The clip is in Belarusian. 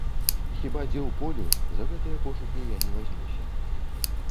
Хіба дзе ў полі, за гэтыя пошукі я не вазьмуся.